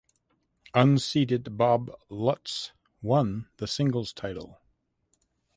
Unseeded Bob Lutz won the singles title.